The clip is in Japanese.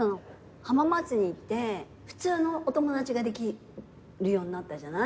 浜松にいて普通のお友達ができるようになったじゃない。